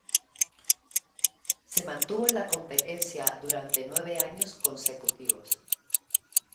Se mantuvo en la competencia durante nueve años consecutivos.